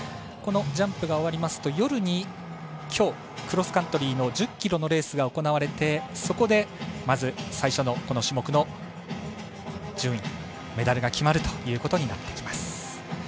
このジャンプが終わりますと夜にきょう、クロスカントリー１０ｋｍのレースが行われてまず、最初の種目の順位メダルが決まるということになってきます。